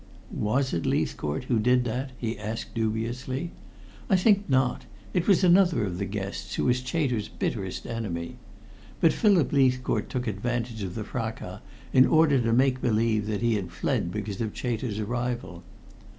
"Was it Leithcourt who did that?" he asked dubiously. "I think not. It was another of the guests who was Chater's bitterest enemy. But Philip Leithcourt took advantage of the fracas in order to make believe that he had fled because of Chater's arrival.